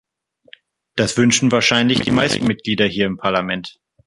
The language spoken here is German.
Das wünschen wahrscheinlich die meisten Mitglieder hier im Parlament.